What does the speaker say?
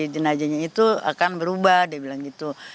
jenajahnya itu akan berubah dia bilang gitu